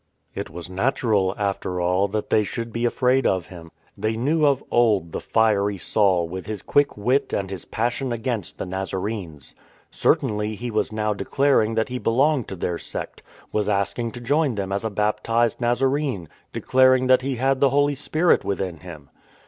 It was natural, after all, that they should be afraid of him. They knew of old the fiery Saul with his quick wit and his passion against the Nazarenes. Cer tainly he was now declaring that he belonged to their sect; was asking to join them as a baptised Nazarene, declaring that he had the Holy Spirit within him.